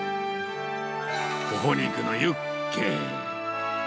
ホホ肉のユッケ。